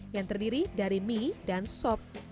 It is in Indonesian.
yang terdiri dari mie dan sop